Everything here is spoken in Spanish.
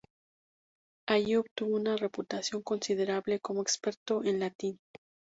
Allí obtuvo una reputación considerable como experto en latín.